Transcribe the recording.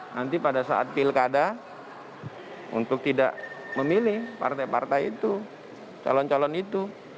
nanti pada saat pilkada untuk tidak memilih partai partai itu calon calon itu